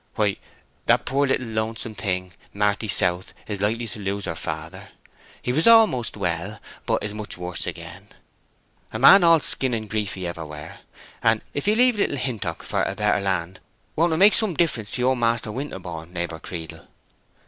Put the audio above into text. "Why, that poor little lonesome thing, Marty South, is likely to lose her father. He was almost well, but is much worse again. A man all skin and grief he ever were, and if he leave Little Hintock for a better land, won't it make some difference to your Maister Winterborne, neighbor Creedle?"